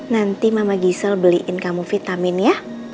nanti mama gisel beliin kamu vitamin ya